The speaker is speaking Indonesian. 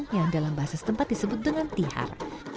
yang dalam bahasa setempat disebut dengan tihar